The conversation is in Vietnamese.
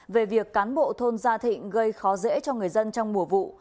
về việc cán bộ thôn gia thịnh gây khó dễ cho người dân trong mùa vụ